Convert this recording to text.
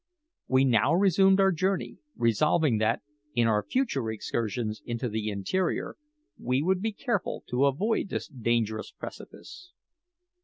We now resumed our journey, resolving that, in our future excursions into the interior, we would be careful to avoid this dangerous precipice.